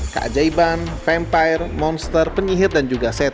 keajaiban vampire monster penyihir dan juga set